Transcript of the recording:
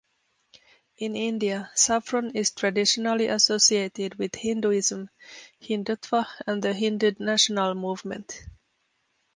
In India, saffron is traditionally associated with Hinduism, Hindutva and the Hindu nationalist movement.